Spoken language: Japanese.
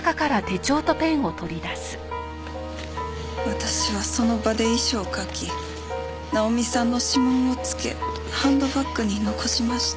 私はその場で遺書を書きナオミさんの指紋をつけハンドバッグに残しました。